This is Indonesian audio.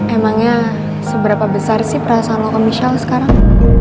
emangnya seberapa besar sih perasaan lo ke michelle sekarang